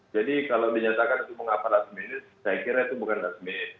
jadi kalau dinyatakan itu mengapa last minute saya kira itu bukan last minute